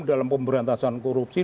dalam pemberantasan korupsi